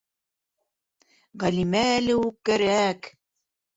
Ғәлимә әле үк кәрәк!